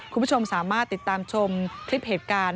คุณผู้ชมสามารถติดตามชมคลิปเหตุการณ์